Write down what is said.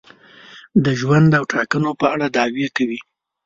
د ژوند او ټاکنو په اړه دعوې کوي.